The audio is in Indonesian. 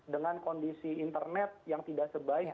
dengan kondisi internet yang tidak sebaik